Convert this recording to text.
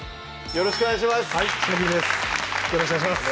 よろしくお願いします